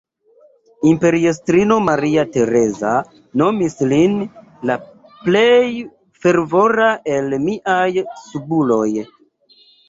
Imperiestrino Maria Tereza nomis lin "la plej fervora el miaj subuloj".